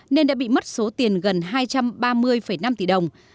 nên đã bị mất số tiền gần hai trăm ba mươi năm tỷ đồng